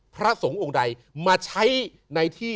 พระสงฆ์องค์ใดมาใช้ในที่